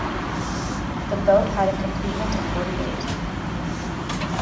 The boat had a complement of forty-eight.